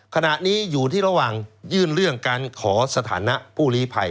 ขณะนี้อยู่ที่ระหว่างยื่นเรื่องการขอสถานะผู้ลีภัย